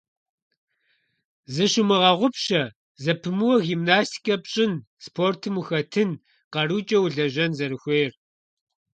Зыщумыгъэгъупщэ зэпымыууэ гимнастикэ пщӀын, спортым ухэтын, къарукӀэ улэжьэн зэрыхуейр.